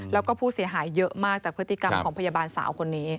แล้วก็ผู้เสียหายเยอะมากจากพฤติกรรมของพยาบาลสาวคนนี้